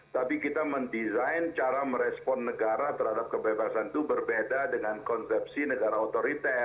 tapi kita mendesain cara merespon negara terhadap kebebasan itu berbeda dengan konsepsi negara otoriter